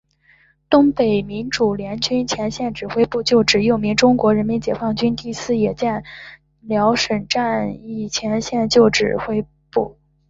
东北民主联军前线指挥部旧址又名中国人民解放军第四野战军辽沈战役前线指挥部旧址。